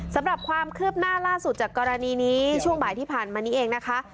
สำหรับความคืบหน้าล่าสุดจากกรณีนี้ช่วงบ่ายที่ผ่านมานี้เองนะคะ